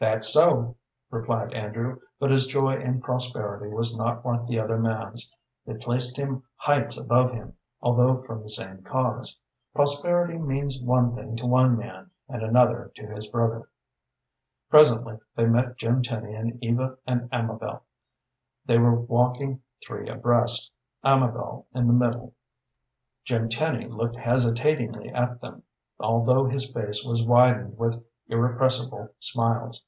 "That's so," replied Andrew, but his joy in prosperity was not like the other man's. It placed him heights above him, although from the same cause. Prosperity means one thing to one man, and another to his brother. Presently they met Jim Tenny and Eva and Amabel. They were walking three abreast, Amabel in the middle. Jim Tenny looked hesitatingly at them, although his face was widened with irrepressible smiles.